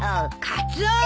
カツオ！